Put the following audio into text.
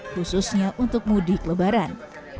khususnya untuk mudik lebaran